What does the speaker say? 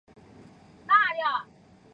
格雷茨卡是德国足球界的新星之一。